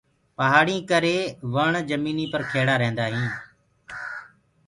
پهآڙينٚ ڪري وڻ جميٚنيٚ پر کيڙو رهيندو هي۔